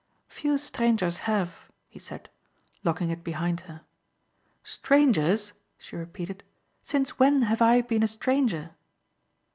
"Few strangers have," he said, locking it behind her. "Strangers!" she repeated, "since when have I been a stranger?"